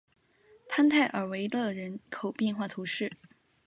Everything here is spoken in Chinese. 潘泰尔维勒人口变化图示